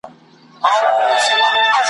زموږ نیکونو دا ویلي له پخوا دي ,